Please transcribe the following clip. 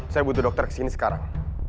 saya butuh dokter kesini sekarang